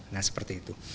nah seperti itu